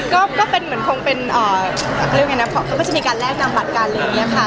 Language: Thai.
ก็เป็นเหมือนคงเป็นเขาก็จะมีการแลกนางบัตรกัน